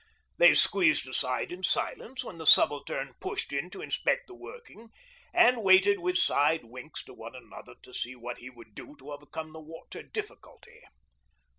They squeezed aside in silence when the Subaltern pushed in to inspect the working, and waited with side winks to one another to see what he would do to overcome the water difficulty.